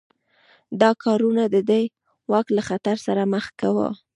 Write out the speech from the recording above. دا کارونه د ده واک له خطر سره مخ کاوه.